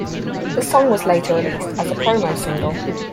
The song was later released as a promo single.